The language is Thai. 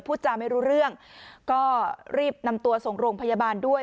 พูดจาไม่รู้เรื่องก็รีบนำตัวส่งโรงพยาบาลด้วย